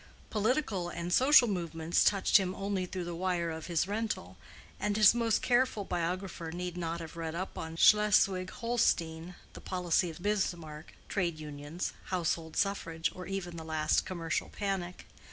Political and social movements touched him only through the wire of his rental, and his most careful biographer need not have read up on Schleswig Holstein, the policy of Bismarck, trade unions, household suffrage, or even the last commercial panic.